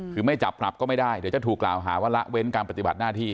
คือไม่จับปรับก็ไม่ได้เดี๋ยวจะถูกกล่าวหาว่าละเว้นการปฏิบัติหน้าที่